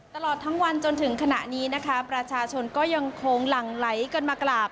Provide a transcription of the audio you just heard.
ตลอดทั้งวันจนถึงขณะนี้นะคะประชาชนก็ยังคงหลั่งไหลกันมากราบ